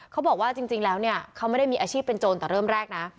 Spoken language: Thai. เขาบอกว่าจริงแล้วเนี่ยเขาไม่ได้มีอาชีพเป็นโจรแต่เริ่มแรกนะ